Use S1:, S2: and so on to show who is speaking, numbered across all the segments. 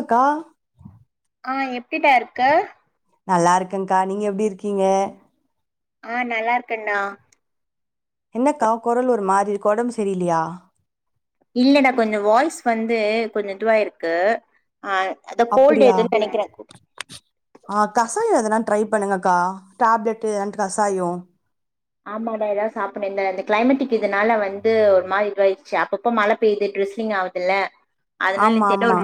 S1: அக்கா
S2: ஆ எப்டிடா இருக்க
S1: நல்லா இருக்கேங்கா நீங்க எப்டி இருக்கீங்க
S2: ஆ நல்லா இருக்கேண்டா
S1: என்னக்கா கொரல் ஒரு மாரி இருக்கு ஒடம்பு சரில்லியா
S2: இல்லடா கொஞ்சோ வாய்ஸ் வந்து கொஞ்சோ இதுவாயிருக்கு ஆ அத கோல்டு
S1: அப்படியா
S2: எதுன் நெனைக்குறே
S1: ஆ கசாயம் எதனா ட்ரை பண்ணுங்கக்கா டேப்லெட்டு அண்ட் கசாயம்
S2: ஆமாடா ஏதாவது சாப்பட்னு இந்தந்த கிளைமேட்டிக் இதனால வந்து ஒரு மாரி இதுவாயிச்சு அப்பப்ப மழ பெய்து ப்ரிஸ்லிங் ஆவுதுல்ல
S1: ஆமா ஆமா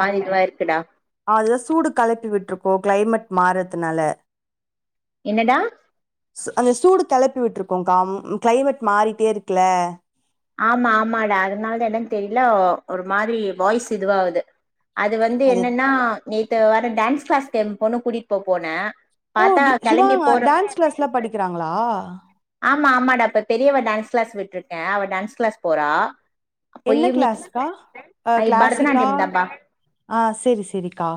S1: அதுதா சூடு கெளப்பி விட்ரு போ கிளைமேட் மாறத்துனால
S2: என்னடா
S1: அந்த சூடுத் கெளப்பி விட்டுருக்குங்க்கா கிளைமேட் மாறிட்டே இருக்குல
S2: ஆமா ஆமாடா அதனாலதா என்னனு தெரியல ஒரு மாரி வாய்ஸ் இதுவாவுது அது வந்து என்னன்னா நேத்து வேர டான்ஸ் கிளாஸ்க்கு எம் பொண்ண கூட்டிட்டு போப்போனே
S1: ஓ டி சிவாங்க டான்ஸ் கிளாஸ்லா படிக்கிறாங்களா
S2: ஆமா ஆமாடா இப்ப பெரியவ டான்ஸ் கிளாஸ் விட்டுருக்கே அவ டான்ஸ் கிளாஸ் போறா அப்போ
S1: என்ன
S2: ஈவினிங்
S1: கிளாஸ்க்கா அ
S2: ஐ
S1: கிளாசிக்கா
S2: பரதநாட்டியம் தாம்பா
S1: ஆ செரி செரிக்கா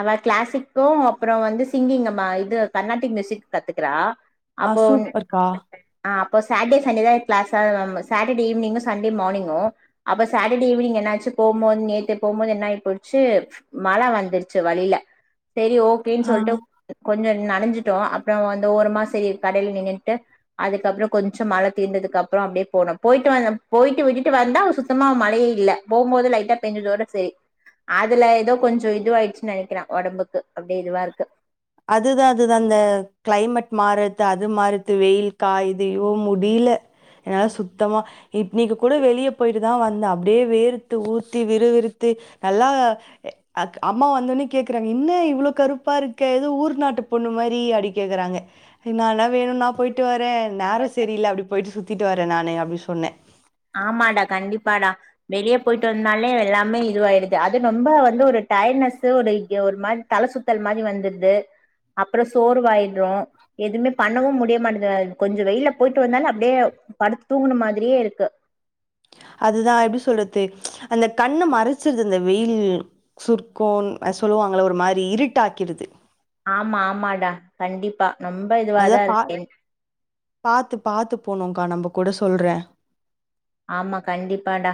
S2: அவ கிளாசிக்கு அப்புறோ வந்து சிங்கிங்கு அ இது கர்நாட்டிக் மியூசிக் கத்துக்குறா
S1: ஆ சூப்பர்க்கா
S2: ப்ப சாட்டே சண்டே தா கிலாஸா ரொம்ப சாட்டர்டே ஈவ்னிங்கு சண்டே மார்னிங்கு அப்ப சாட்டர்டே ஈவ்னிங் என்னாச்சுப் போம்போது நேத்தே போம்போது என்னாயிப் போயிட்ச்சு மழ வந்துருச் சு வழில செரி ஓகேன்
S1: ஆ
S2: சொல்ட்டு கொஞ்ச நனஞ்சிட்டோ அப்றோ அந்த ஓரமா செரி கடைல நின்னுட்டு அதுக்கப்ற கொஞ்ச மழ தீர்ந்ததுக்கப்ற அப்டியே போனு போயிட்டு வந்த போயிட்டு விட்டுட்டு வந்தா சுத்தமா மழையே இல்ல போம்போது லைட்டா பெஞ்சதோட செரி அதுல எதோ கொஞ்ச இதுவாயிருச்சுன் நெனைக்கிறே ஒடம்புக்கு அப்டியே இதுவா இருக்கு
S1: அதுதா அதுதா அந்த கிளைமேட் மாறத்து அது மாறுத்து வெயில் காயிது ஐயோ முடிய்ல என்னால சுத்தமா இட்னிக்கு கூட வெளிய போயிட்டு தா வந்தே அப்டியே வேர்த்து ஊத்தி விறு விருத்து து நல்லா எ அஃ அம்மா வந்தோன்னே கேக்குறாங்க என்ன இவ்ளோ கருப்பா இருக் கு எது ஊர் நாட்டு பொண்ணு மாரி அப்டி கேக்குறாங்க என்னானாலு வேணுனா போயிட்டு வரே நேர செரியில்ல அப்டி போயிட்டு சுத்திட்டு வரே நானு அப்டி சொன்னே
S2: ஆமாடா கண்டிப்பாடா வெளிய போயிட்டு வந்தாலே எல்லாமே இதுவாயிடுது அது ரொம்ப வந்து ஒருட் டயர்ட்னஸு ஒரு இங்க ஒரு மாரி தல சுத்தல் மாரி வந்துருது அப்றோ சோர்வாயிட்றோ எதுமே பண்ணவு முடிய மாட்டுது கொஞ்ச வெயில்ல போயிட்டு வந்தாலே அப்டியே படுத்து தூங்குன மாதிரியே இருக்கு
S1: அதுதா எப்டி சொல்றது அந்த கண்ண மறச்சிருது அந்த வெயில் சுருக்கோ அ சொல்லுவாங்கள ஒரு மாரி இருட்டாக்கிடுது
S2: ஆமா ஆமாடா கண்டிப்பா ரொம்ப
S1: அதுத
S2: இதுவாதா
S1: பார்
S2: இருக்கேன்
S1: பாத்து பாத்து போனுங்க்கா நம்ப கூட சொல்றே
S2: ஆமா கண்டிப்பான்டா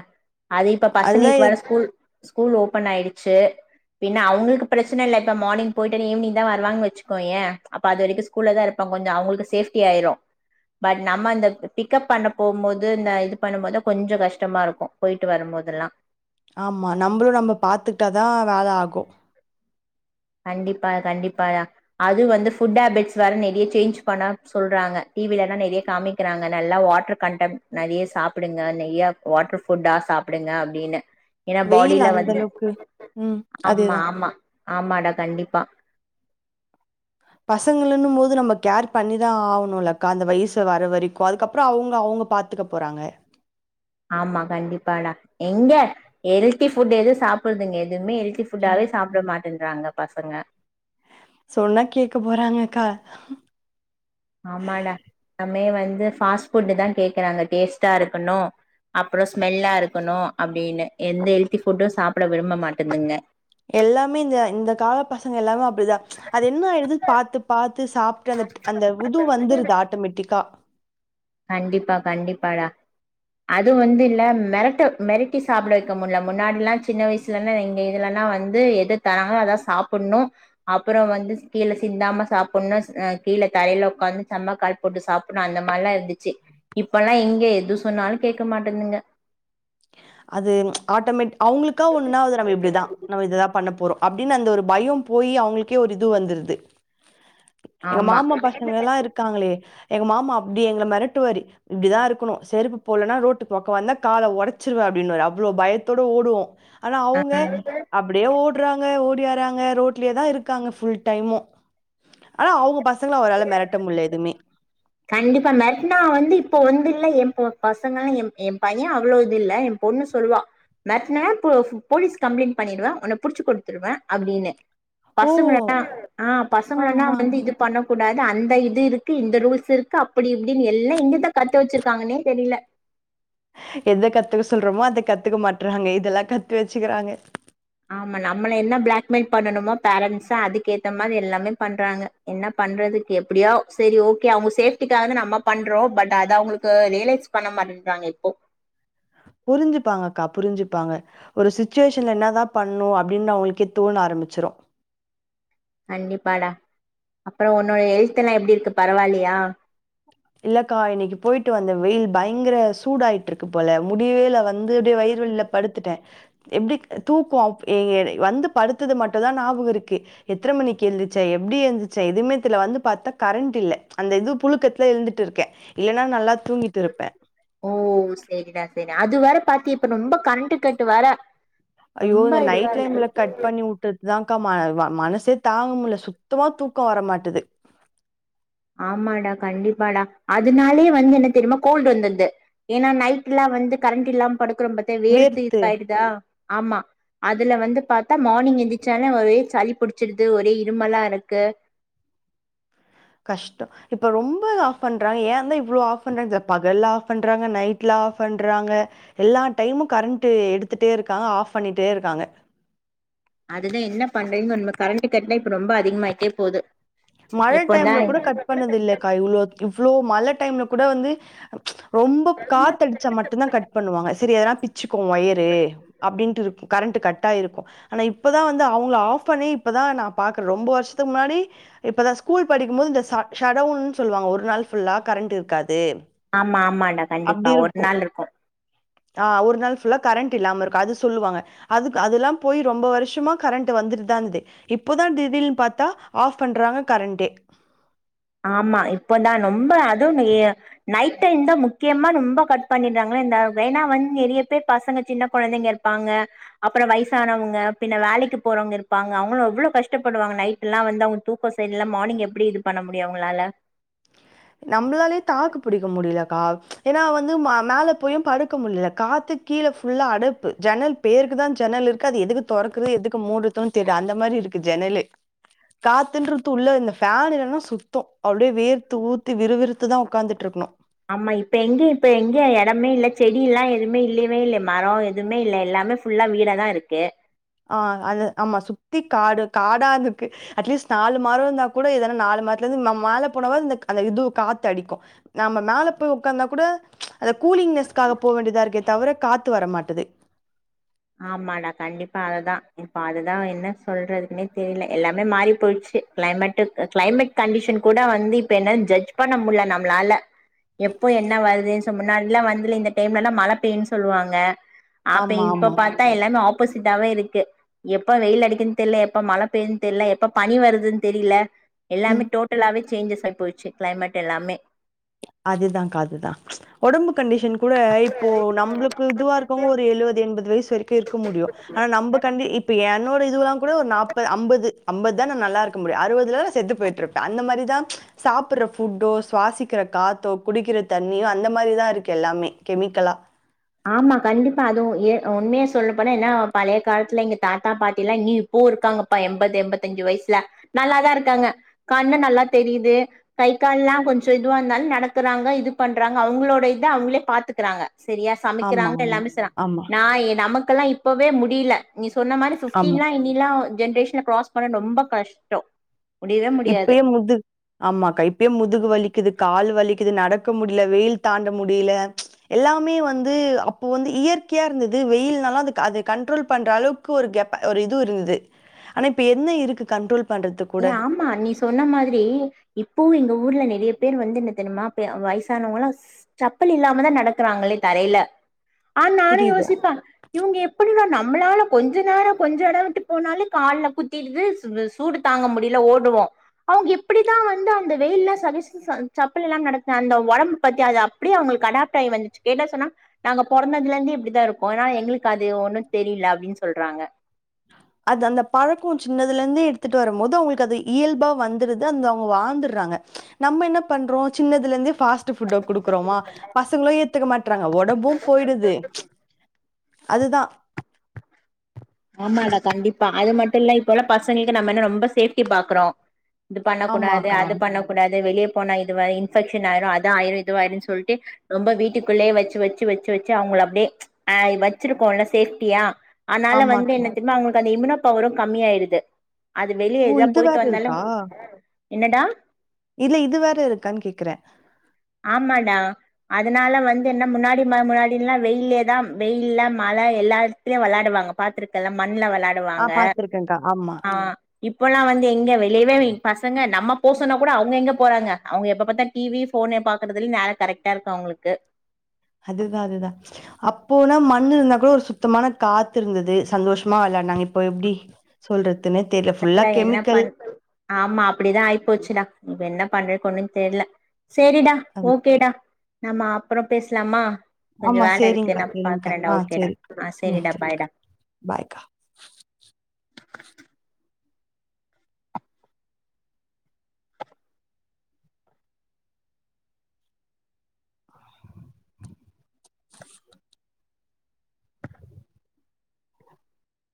S2: அது இப்ப
S1: அதுதா
S2: பசங்களுக்கு
S1: எ
S2: வேற ஸ்கூல் ஸ்கூல் ஓப்பன் ஆயிடுச்சு பின்ன அவுங்களுக்கு பிரச்சன இல்ல இப்ப மார்னிங் போயிட்டு ஈவ்னிங் தா வருவாங்க வச்சுகோயே அப்ப அது வரைக்கு ஸ்கூல்ல தா இருப் ப்போ கொஞ்ச அவ்ங்களுக்கு சேஃப்டி ஆயிரு பட் நம்ம அந்தப் பிக்கப் பண்ண போம்போது இந்த இது பண்ணும்போதா கொஞ்ச கஷ்டமா இருக்கு போயிட்டு வரும்போதெல்லா
S1: ஆமா நம்மளு நம்ம பாத்துக்கிட்டாதா வேல ஆகு
S2: கண்டிப்பா கண்டிப்பாயா அதுவு வந்து ஃபுட் ஹேபிட்ஸ் வேற நெறைய சேஞ்ச் பண்ண சொல்றாங்க டி வி ல தா நெறைய காமிக்றாங்க நல்லா வாட்ரு கன்டென்ட் நெறைய சாப்டுங்க நெய்யா வாட்ரு ஃபுட்டா சாப் சாப்டுங்க அப்டின்னு ஏனா
S1: வெயில்
S2: பாடில
S1: அந்த
S2: வந்து
S1: அளவுக்கு ம்
S2: ஆமா
S1: அதேதா
S2: ஆமா ஆமாடா கண்டிப்பா
S1: பசங்களன்னும் போது நம்ம கேர் பண்ணிதா ஆவணுலக்கா அந்த வயசு வர வரைக்கு அதுக்கப்ற அவுங்க அவுங் க பாத்துக்க போறாங்க
S2: ஆமா கண்டிப்பாடா எங்க ஹெல்த்தி ஃபுட் எது சாப்பிடுதுங்க எத் துவுமே ஹெல்த்தி ஃபுட்டாவே சாப்ட மாட்டேன்றாங்க பசங்க
S1: சொன்னா கேக்க போறாங்கக்கா
S2: ஆமாடா நம்மே வந்து ஃபாஸ்ட் ஃபுட்டு தா கேக்குறாங்க டேஸ்ட்டா இருக்கணு அப்றோ ஸ்மெல்லா இருக்கணு அப்டின்னு எந்த ஹெல்த்தி ஃபுட்டு சாப்ட விரும்ப மாட்டுதுங்க
S1: எல்லாமே இந்த இந்த கால பசங்க எல்லாமே அப் டிதா அது என்ன ஆயிருது பாத்து பாத்து சாப்ட்டு அந்த அந்த உது வந்துருது ஆட்டமேட்டிக்கா
S2: கண்டிப்பா கண்டிப்பாடா அது வந்து இல்ல மெரட்ட மெரட்டி சாப்ட வைக்க முட்ல முன்னாடிலா சின்ன வயசுலருந்து எங்க இதுலான் னா வந்து எது தராங்களோ அதா சாப்புட்ணு அப்பற வந்து கீழ சிந்தாம சாப்புட்ணு அ கீழ தரைல ஒக்காந்து செம்மா கால் போட்டு சாப்புட்ணு அந்த மாரிலா இருந்துச் ச்சு இப்பலா எங்க எது சொன்னாலு கேக்க மாட்டுதுங்க
S1: அது ஆட்டோமேட் அவ்ங்களுக்கா ஒன்னுனா அது நம்ம இப்டிதா நம்ம இதுதா பண்ண போறோ அப்டின்னு அந்த ஒரு பய போயி அவ்ங்களுக்கே ஒரு இது வந்துருது எங்க
S2: ஆமா
S1: மாமா பசங்கலா இருக்காங்களே எங்க மாமா அப்டி எங்கள மெரட்டுவாரு இப்டிதா இருக்கணு செருப்பு போட்லனா ரோட்டுப் பக்க வந்தா கால ஒடச் குருவே அப்டின்னுவாரு அவ்ளோ பயத்தோட ஓடுவோ ஆனா அவ்ங்க அப்டியே ஓட் ட்ருவாங்க ஓடியாறாங்க ரோட்லயே தா இருக்காங்க ஃபுல் டைமு ஆனா அவ்ங்க பசங்கள அவரால மெரட்ட முடில எதுமே
S2: கண்டிப்பா மெரட்னா வந்து இப்போ வந்து இல்ல எம்ப்போட் பசங்க எம் எம் பைய அவ்ளோ இது இல்ல எம் பொண்ணு சொல்லுவா மெரட்டுன போ போலீஸ் கம்ப்ளைண்ட் பண்ணிடுவே உன்ன புடிச்சு கொடுத்துருவே அப்டின்னு
S1: ஓ
S2: பசங்கல்லா ஆஹ்
S1: ஆ
S2: பசங்கல்லா
S1: ஆ
S2: வந்து இது பண்ணக்கூடாது அந்த இது இருக்கு இந்த ரூல்ஸ் இது இருக்கு அப்டி இப்டின்னு எல்லா எங்கதா கத்து வச்சிருக்காங்கன்னே தெரியல
S1: எத கத்துக்க சொல்றோமோ அத கத்துக்க மாட்டுறாங்க இதெல்லா கத்து வச்சுக்கிறாங்க
S2: ஆமா நம்மள என்ன பிளாக்மெயில் பண்ணனுமோ பேரண்ட்ஸ அதுக்கேத்த மாரி எல்லாமே பண்றாங்க என்ன பண்றதுக்கு எப்டியோ சேரி ஓகே அவங்க சேஃடிகாக நம்ம பண்றோ பட் அத அவங்களுக்கு ரியலைஸ் பண்ண பண்றங்க இப்போ
S1: ஆஹ புரிஞ்சுப்பாங்க அக்கா புரிஞ்சுப்பாங்க ஒரு ஸ்சுடுவேஷன்ல என்னதா பண்ணு அப்டின்னு அவங்களுக்கே தோண ஆரம்பிச்சிரு [inaudible]
S2: கண்டிப்பாடா அப்புற உன்னோட ஹெல்த் எல்லா எப்டி இருக்கு பரவலாய
S1: இல்லக்கா இன்னைக்கு போயிட்டு வந்த வெயில் பயங்கர சூடாயிட்டு இருக்கு போல முடிவேல வந்து அப்டியே வயிறு வலில படுத்துட்டே எப்டி தூக்கோ அப் எ எ வந்து படுத்தது மட்டுதா ஞாபக இருக்கு எத்தன மணிக்கு எழுந்து ச்ச எப்டி எந்துருச்சு எதுவுமேல வந்து பாத்தா கரண்ட் இல்ல அந்த இது புழுக்கத்து ல எழுந்துட்டு இருக்க இல்லனா நல்லா இருப்பேன்
S2: ஓ செரிடா செரிடா அது வேறப் பாத்தியா இப்ப ரொம்ப கரண்ட்டு கட்டு வேற
S1: ஐயோ
S2: ரொம்ப
S1: இந்த
S2: இதுவா
S1: நைட்
S2: இருக்கு
S1: லைம்ல கட் பண்ணி விட்டுட்டு தா அக்கா வ மனசே தாங்க முல சுத்தமா தூக்கோ வரமாட்டது
S2: ஆமாடா கண்டிப்பாடா அதனாலே வந்து என்ன தெரியுமா கோல்டு வந்துருது ஏன்னா நைட்லா வந்து கரண்ட் இல்லாம படுக்கற பத்திய வேர்த்து இது ஆயிடுதா ஆமா அதுல வந்து பாத்தா மார்னிங் எந்திரிச்சாலு ஒரே சளி புடிச்சடுது ஒரே இருமல்லா இருக்கு
S1: [inaudible] கஷ்ட இப்ப ரொம்ப ஆஃப் பண்றாங்க ஏந்த தா இவ்ளோ ஆஃப் பண்றா பகல்ல ஆஃப் பண்றாங்க நைட்ல ஆஃப் பண்றாங்க எல்லா டைமு கரண்ட் எடுத்துட்டே இருக்காங்க ஆஃப் பண்ணிட்டே இருக்காங்க
S2: அதுதா என்ன பண்றதுன்னு உண்மை கரண்ட கட்லா இப்ப ரொம்ப அதிகமாயிட்டே போது
S1: மழ
S2: எப்போதா
S1: டைம்ல கூட கட் பண்ணது இல்ல அக்கா இவ்ளோ இவ்வளோ மழ டைம்ல கூட வந்து ரொம்ப காத்து அடிச்சா மட்டுதா கட் பண்ணுவாங்க சேரி எதனா பிச்சுக்கு ஒயரு அப்டின்ட்டு இருக்கு கரண்ட் கட் ஆயிருக்கு ஆனா இப்பதா வந்து அவங்கள ஆஃப் பண்ணி இப்பதா நா பாக்குற ரொம்ப வருஷத்துக்கு முன்னாடி இப்போ நா ஸ்கூல் படிக்கும்போது இந்த ஷ ஷடவுன்னு சொல்லுவாங்க ஒரு நாள் ஃபுல்லா கரண்ட் இருக்காது
S2: ஆமா ஆமாடா கண்டிப்பா ஒரு நாள் இருக்கு
S1: ஆஹ ஒரு நாள் ஃபுல்லா கரண்ட் இல்லாம இருக்கு அது சொல்லுவாங்க அது அதெல்லா போய் ரொம்ப வருஷமா கரண்ட் வந்து வந்துட்டுதா இருந்துது இப்போதா திடிடல்னு பாத்தா ஆப் பண்றாங்க கரண்டே
S2: ஆமா இப்பதா ரொம்ப அதுவு நைட் டைம் தா முக்கியமா ரொம்ப கட் பண்ணடுறாங்க அப்புற இந்த ஏன்னா வந்து நெறைய பேர் பசங்க சின்ன குழந்தைங்க இருப்பாங்க அப்புற வயசானவங்க பின் வே லைக்கு போறவங்க இருப்பாங்க அவங்களு எவ்ளோ கஷ்டப்படுவங்க நைட்லா வந்து அவங்க தூக்க சரிலா மார்னிங் எப்டி இது பண்ண முடியு அவங்களால
S1: நம்மளாலே தாக்கு பிடிக்க முடியல கா ஏன்னா வந்து ம மேல போயு படுக்க முடியல காத்துக்கு கீழ ஃபுல்லா அடைப்பு ஜன்னல் பேருக்கு தா ஜன்னல் இருக்கு அது எதுகு தொறக்குது எதுகு மூடுறதுனு தெரில அந்த மாதிரி இருக்கு ஜெனல காத்துன்றது உள்ள இந்த பேன் இல்லனா சுத்தோ அப்டியே வேர்த் த்து ஊத்தி விறுவிறுத்துதா உகாந்துட்டு இருக்கணு
S2: ஆமா இப்ப எங்க இப்ப எங்க இடமே இல்ல செடி எல்லா எதுமே இல்லைவே இல்லயே மரோ எதுவுமே இல்ல எல்லா எல்லாமே ஃபுல்லா வீடா தா இருக்கு
S1: ஹ் அது ஆமா சுத்தி காடு காடா அட்லீஸ்ட் நாலு மரோ இருந்தா கூட எதானா நாலு [unintelligible] நா மேல போனாவது இந்த அந்த இது காத்து அடிக்கு நம்ம மேல போய் உட்காந்தா கூட அத கூலிங்நெஸ்க்காக போ வேண்டியதா இருக்கே தவிர காத்து வரமாட்டது
S2: ஆமாடா கண்டிப்பா அதுதா இப்ப அதுதா என்ன சொல்றதுக்குன்னே தெரியல எல்லாமே மாறி போயிச்சு டு க்ளைமேட்டு க்ளைமேட் கண்டிஷன் கூட வந்து இப்ப என்ன ஜட்ஜ் பண்ண முடில நம்ளால எப்போ என்ன வருது ச முன்னாடிலா வந்துல இந்த டைம்லல்லா மழ பெய்யூன் சொல்லுவாங்க
S1: ஆமா ஆமா
S2: அ எல்லாமே ஆப்போசிட்டாவே இருக்கு எப்ப வெயில் அடிக்குன் தெர்ல எப்ப மழ பெய்யூன் தெர்ல எப்ப பனி வருதுன் தெரில எல்லாமே
S1: ம்.
S2: டோட்டலாவே சேஞ்சஸ் ஆயி போயிச்சு க்ளைமேட் எல்லாமே
S1: அதுதான்க்கா அதுதா ஒடம்புக் கண்டிஷன் கூட இப்போ நம்முளுக்கு இதுவா இருக்கவுங்க ஒரு எழுவது எண்பது வயசுக் கு இருக்க முடியூ ஆனா நம்ப கண்டி இப்ப என்னோடை இதுவா கூட ஒரு நாப்பது அம்பது அம்பதுதா நா நல்லா இருக்க முடியூ அறுவதுல நா செத்துப்போயிட்ருபே அந்த மாரிதா ச சாப்புற ஃபுட்டோ சுவாசிக் கிற காத்தோ குடிக்கிற தண்ணியோ அந்த மாரிதா இருக்கு எல்லாமே கெமிக்கலா
S2: ஆமா கண்டிப்பா அதுவூ ஏ உண்மைய சொல்ல போனா ஏனா பழைய காலத்துல எங்க தாத்தா பாட்டி எல்லா இனியூ இப் போ இருக்காங்கப்பா எம்பது எம்பத்தஞ்சு வயசுல நல்லாதாருக்காங்க கண்ணு நல்லா தெரியுது கை கண்லா கொஞ்சோ இதுவா இருந்தாலூ நடக்குறாங்க இது பண்றாங்க அவுங்ளோட இத அவுங்களே பாத்துக்றாங்க சரியா
S1: ஆமா,
S2: சமைக்கிறாங்க
S1: ஆமா.
S2: எல்லாமே செய்றா
S1: ஆமா,
S2: நா எ நமக்கெல்லா இப்பவே முடில நீ சொன்ன மாரி
S1: ஆமா.
S2: ஃபிஃப்டீன்லா இனிலா ஜென்ரேஷன்ல க்ராஸ் பண்ண ரொம்ப கஷ்டோ முடியவே முடியாது
S1: இப்பயே முதுக் ஆமாக்கா இப்பயே முதுகு வலிக்குதுக் கால் வலிக்குது நடக்க முடில வெயில் தாண்ட முடில எல்லாமே வந்து அப்போ வந்து இயற் கியா இருந்துது வெயில்னாலு அது அது கண்ட்ரோல் பண்றளவுக்கு ஒரு கெப் ஒரு இது இருந்துது ஆனா இப்ப என்ன இருக்கு கண்ட்ரோல் பண்றது கூட
S2: ஏ ஆமா நீ சொன்ன மாதிரி இப்பவு எங்க ஊர்ல நறைய பேர் வந்து என்ன தெரியுமா பெ வயசானவங்கலா சப் பல் இல்லாம தா நடக்கிறாங்களே தரையில ஆன் நானூ
S1: புரியுது.
S2: யோசிப்பே இவுங்க எப்பிடிடா நம் மளால கொஞ்ச நேரோ கொஞ்ச எடோ விட்டு போனாலே கால்ல குத்திடுது சூடு தாங்க முடில ஓடுவோ அவுங்க எப்பிடிதா வந்து அந்த வெயில்ல சஜஷ ச சப்பலில்லாம் நடத்த அந்த ஒடம்பு பத்தி அது அப்டி அவங்கள் கு அடாப்ட் ஆயி வந்துச்சு கேட்ட சொன்னா நாங்க பொறந்ததுலேந்தே இப்டிதாருக்கோ அனா எங்களுக்கு அது ஒன்னூ தெரில அப்டின் சொல்றாங்க
S1: ஆஹ அது அந்த பழக்கோ சின்னதுலேந்தே எடுத்துட்டு வரும்போது அவுங்குளுக்கு அது இயல்பா வந்துருது அந்த அவுங்க வாழ்ந்துர்றாங்க நம்ம என்ன பண்றோ சின்னதுலேந்து ஃபாஸ்ட் டு ஃபுட்ட குடுக்குறோமா பசங்களூ ஏத்துக்க மாட்றாங்க ஒடம்பூ போயிடுது அதுதா
S2: ஆமாடா கண்டிப்பா அது மட்டு இல்ல இப்போ உள்ள பசங்கேக்கு நம என்ன ரொம்ப சேஃப்டி பாக்குறோ இது பண்ணக்கூடாது
S1: ஆமாக்கா.
S2: அது பண்ணக்கூடாத் வெ வெளியே போனா இதுவ இன்பெக்ஷன் ஆயிரூ அது ஆயிரூ இதுவாயிரூ சொல்ட்டு ரொம்ப வீட்டுக்குள்ளே வச்சு வச்சு வச்சு வச்சு அவுங்கள அப்டே ஆ வச்சிருக்கோல்ல சேஃப்டியா அத்னால வந்து
S1: ஆமாக்கா.
S2: என்ன தெரியுமா அவுங்களுக்கு அந்த இம்யூனோ பவரூ கம்மியாயிருது அது வெளியே
S1: ஓ!
S2: ஏதா
S1: இது
S2: போயிட்டு
S1: வேற
S2: வந்தாலூ
S1: இருக்கா?
S2: என்னடா
S1: இல்ல இது வேற இருக்கான் கேக்குறே
S2: ஆமாடா அதுனால வந்து என்ன முன்னாடி ம முன்னாடிலா வெயில்லேதா வெயில்ல ம ழ எல்லாடத்லயு வெளையாடுவாங்க பாத்திருக்கல மண் ண்ல
S1: ஆ
S2: வெளாடுவாங்க
S1: பார்த்துருக்கேன்க்கா. ஆமா.
S2: ஆ இப்பல்லா வந்து எங்க வெளியவே பசங்க நம்ம போ சொன்னா கூட அவுங்க எங்க போறாங்க அவுங்க எப்ப பாத்தா டி வி ஃபோனே பாக்றதுலே நேர கரெட்டாருக்கு அவுங்குளுக்கு
S1: அதுதா அதுதா அப்போனா மண்ணுருந்தா கூட ஒரு சுத்தமான காத்து இருந்துது சந்தோஷமா வெளா நாங்க இப்ப எப்டி சொல்றத்
S2: அதாண்டா என்ன பண் ஆமா அப்டிதா ஆயி போச்சுடா இப்ப என்ன பண்ணிருக்கோ ஒன்னூ தெர்ல செரிடா ஓக்கேடா நம்ம அப்றோ பேசலாமா கொஞ்சோ
S1: ஆமா.
S2: வேலருக்கு
S1: சரிங்க்கா,
S2: நா
S1: சரிங்க்கா.
S2: பாக்குறேன்டா ஓகேடா ஆ செரிடா பாய்டா
S1: பைக்கா